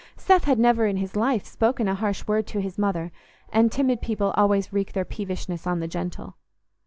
Seth had never in his life spoken a harsh word to his mother, and timid people always wreak their peevishness on the gentle.